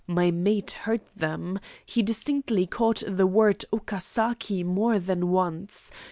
My mate heard them. He distinctly caught the word 'Okasaki' more than once.